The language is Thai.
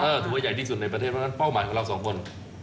ถือว่าใหญ่ที่สุดในประเทศเพราะฉะนั้นเป้าหมายของเราสองคน